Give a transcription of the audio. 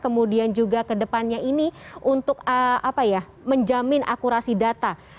kemudian juga ke depannya ini untuk apa ya menjamin akurasi data